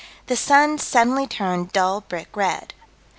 the sun suddenly turned dull brick red.